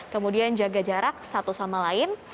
kemudian jaga jarak satu sama lain